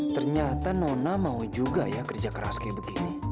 ternyata nona mau juga ya kerja keras kayak begini